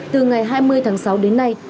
từ ngày hai mươi tháng sáu đến nay